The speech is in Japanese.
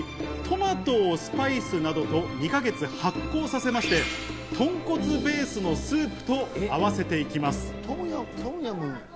トマトをスパイスなどと２か月発酵させまして、豚骨ベースのスープと合わせていきます。